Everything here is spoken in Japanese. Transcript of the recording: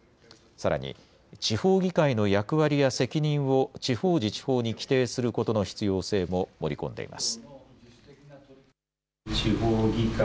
さらに地方議会の役割や責任を地方自治法に規定することの必要性も盛り込んでいます。